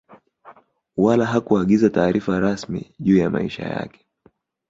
Wala hakuagiza taarifa rasmi juu ya maisha yake